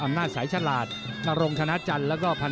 อำนาจสายฉลาดนรงชนะจันทร์